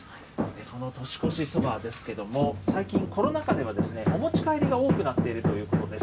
この年越しそばですけど、最近、コロナ禍ではお持ち帰りが多くなっているということです。